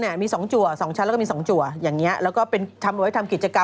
แล้วก็ทำกิจกรรม